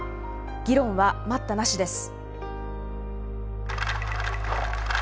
議論は待ったなしです。